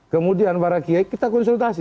kemudian para kiai kita konsultasi